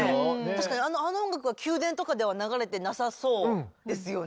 確かにあの音楽は宮殿とかでは流れてなさそうですよね。